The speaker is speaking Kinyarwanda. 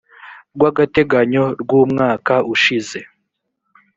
rw agateganyo rw umwaka ushize